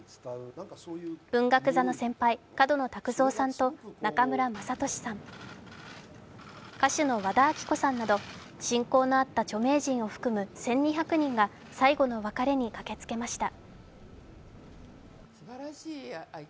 文学座の先輩、角野卓造さんと中村雅俊さん、歌手の和田アキ子さんなど、親交のあった著名人を含む１２００人が最後の別れに駆けつけました。